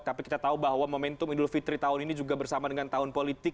tapi kita tahu bahwa momentum idul fitri tahun ini juga bersama dengan tahun politik